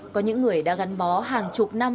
có những người đã gắn bó hàng chục năm